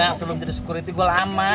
karena sebelum jadi security gue lama